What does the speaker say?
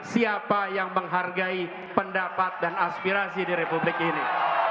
siapa yang menghargai pendapat dan aspirasi di republik ini